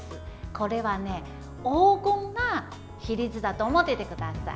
これは黄金の比率だと思っていてください。